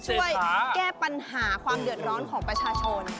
ช่วยแก้ปัญหาความเดือดร้อนของประชาชน